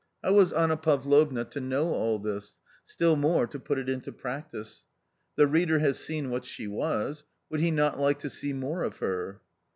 How was Anna Pavlovna to know all this, still more to put it into practice J7 The reader has seen what she was. Would he not like to see more of her